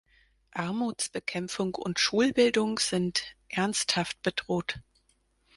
Armutsbekämpfung und Schulbildung sind ernsthaft bedroht.